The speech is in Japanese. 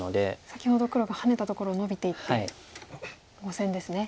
先ほど黒がハネたところをノビていって５線ですね。